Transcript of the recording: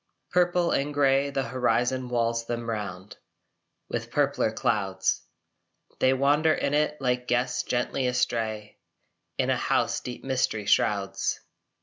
Purple and grey the horizon walls them round With purpler clouds. They wander in it like guests gently astray In a house deep mystery shrouds.